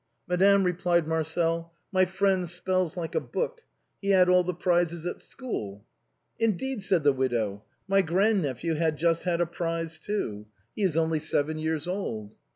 " Madame," replied Marcel, " my friend spells like a book. He had all the prizes at school." " Indeed !" said the widow, " my grand nephew has just had a prize, too ; he is only seven years old."